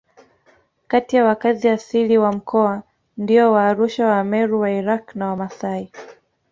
Kati ya wakazi asili wa mkoa ndio Waarusha Wameru Wairaqw na Wamasai